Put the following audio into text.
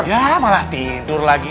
ya malah tidur lagi